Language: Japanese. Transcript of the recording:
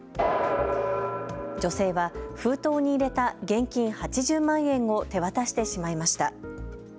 女性は封筒に入れた現金８０万円を手渡してしまいました。